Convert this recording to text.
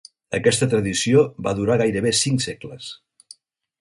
Aquesta tradició va durar gairebé cinc segles.